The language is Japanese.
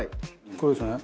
これですよね。